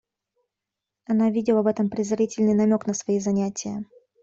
Она видела в этом презрительный намек на свои занятия.